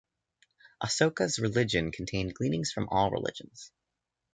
Ashoka's religion contained gleanings from all religions.